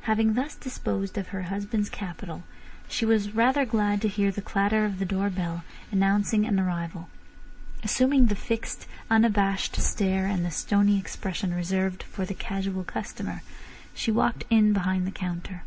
Having thus disposed of her husband's capital, she was rather glad to hear the clatter of the door bell, announcing an arrival. Assuming the fixed, unabashed stare and the stony expression reserved for the casual customer, she walked in behind the counter.